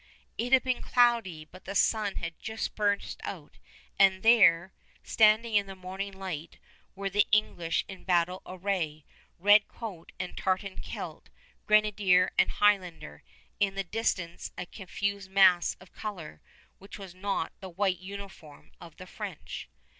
It had been cloudy, but the sun had just burst out; and there, standing in the morning light, were the English in battle array, red coat and tartan kilt, grenadier and Highlander, in the distance a confused mass of color, which was not the white uniform of the French.